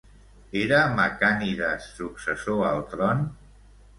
Era Macànides successor al tron?